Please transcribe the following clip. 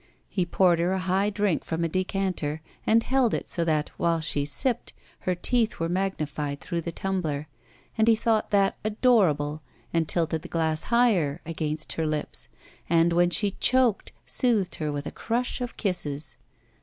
He poured her a high drink from a decanter, and held it so that, while she sipped, her teeth were magnified through the tumbler, and he thought that adorable and tilted the glass higher against her lips, and when she choked soothed her with a crush of kisses.